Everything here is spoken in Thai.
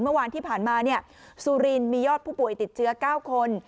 เมื่อวานที่ผ่านมาสุรินมียอดผู้ป่วยติดเชื้อ๙คน